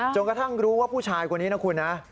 จนกระทั่งรู้ว่าผู้ชายคนนี้นะคุณนะ